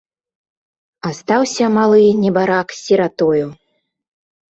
Астаўся малы, небарак, сіратою.